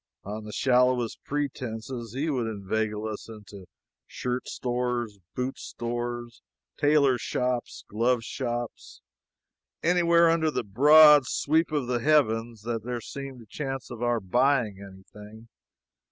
On the shallowest pretenses he would inveigle us into shirt stores, boot stores, tailor shops, glove shops anywhere under the broad sweep of the heavens that there seemed a chance of our buying anything.